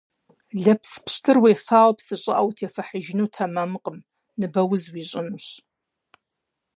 Лэпс пщтыр уефауэ псы щӀыӀэ утефыхьыжыну тэмэмкъым - ныбэуз уищӀынущ.